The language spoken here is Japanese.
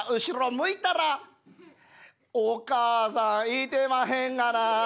向いたらお母さんいてまへんがな。